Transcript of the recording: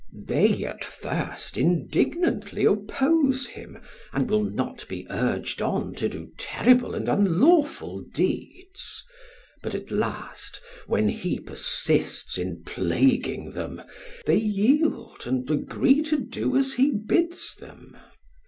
They at first indignantly oppose him and will not be urged on to do terrible and unlawful deeds; but at last, when he persists in plaguing them, they yield and agree to do as he bids them.